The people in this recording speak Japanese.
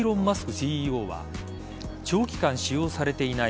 ＣＥＯは長期間使用されていない